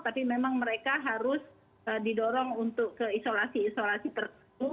tapi memang mereka harus didorong untuk ke isolasi isolasi tertentu